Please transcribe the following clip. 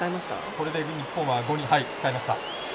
これで日本は５人使いました。